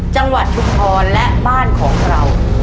จังหวัดธุพรและบ้านของเรา